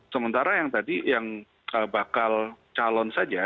sementara yang tadi yang bakal calon saja